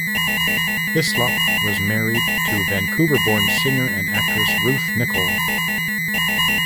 Hyslop was married to Vancouver-born singer and actress Ruth Nichol.